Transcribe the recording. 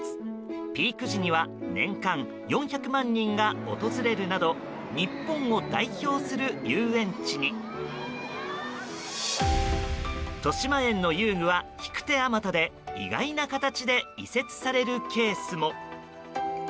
ピーク時には年間４００万人が訪れるなど日本を代表する遊園地に。としまえんの遊具は引く手あまたで意外な形で移設されるケースも。